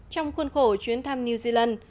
trong khuôn khổ chuyến thăm new zealand